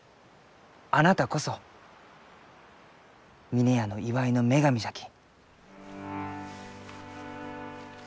あなたこそ峰屋の祝いの女神じゃき。